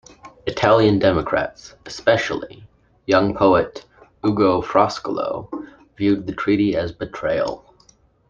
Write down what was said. Italian democrats, especially young poet Ugo Foscolo, viewed the treaty as a betrayal.